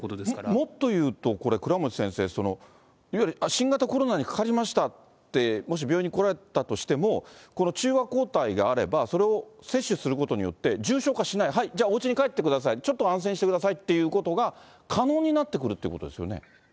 もっと言うと、倉持先生、いわゆる新型コロナにかかりましたって、もし病院に来られたとしても、この中和抗体があれば、それを接種することによって、重症化しない、はい、じゃあ、おうちに帰ってください、ちょっと安静にしてくださいっていうことが、可能になってくるってことですよね？